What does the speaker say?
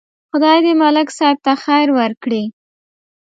خدای دې ملک صاحب ته خیر ورکړي.